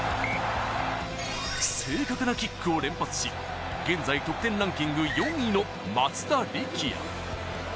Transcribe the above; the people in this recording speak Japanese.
正確なキックを連発し、現在得点ランキング４位の松田力也。